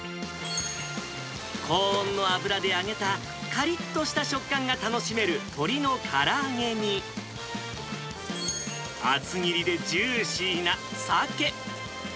高温の油で揚げたかりっとした食感が楽しめる鶏のから揚げに、厚切りでジューシーなサケ。